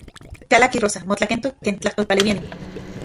Kalaki Rosa, motlakentok ken tlajtolpaleuiani.